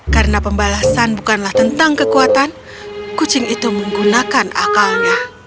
karena pembalasan bukanlah tentang kekuatan kucing itu menggunakan akalnya